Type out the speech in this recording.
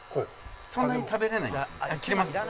そんなに食べれないんですよ。